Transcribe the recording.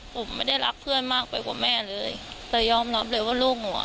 ผมไม่ได้รักเพื่อนมากไปกว่าแม่เลยแต่ยอมรับเลยว่าลูกหนูอ่ะ